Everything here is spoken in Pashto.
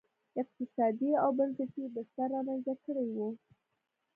اقتصادي او بنسټي بستر رامنځته کړی و.